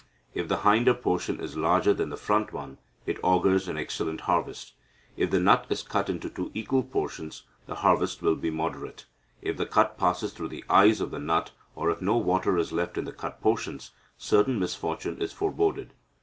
If the hinder portion is larger than the front one, it augurs an excellent harvest. If the nut is cut into two equal portions, the harvest will be moderate. If the cut passes through the eyes of the nut, or if no water is left in the cut portions, certain misfortune is foreboded.